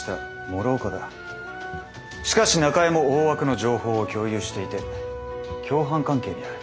しかし中江も大枠の情報を共有していて共犯関係にある。